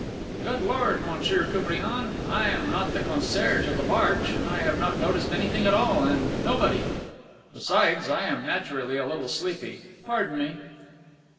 "Good Lord, Monsieur Koupriane, I am not the concierge of the Barque, and I have not noticed anything at all, and nobody. Besides, I am naturally a little sleepy. Pardon me."